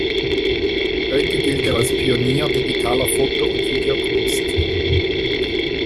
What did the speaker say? Heute gilt er als Pionier digitaler Foto- und Videokunst.